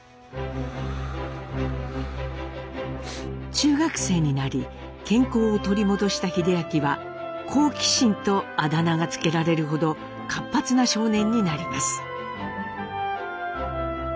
中学生になり健康を取り戻した英明は「好奇心」とあだ名が付けられるほど活発な少年になります。